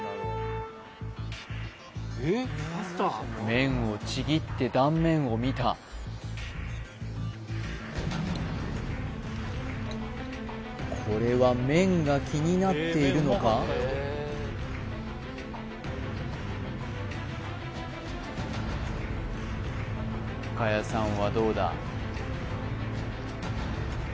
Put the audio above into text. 麺をちぎって断面を見たこれは麺が気になっているのか深谷さんはどうだ？